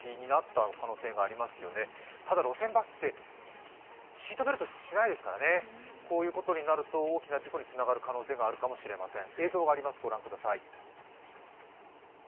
ただ、路線バスってシートベルトしていないですからね、こういうことになると大きな事故につながる可能性があるかもしれません。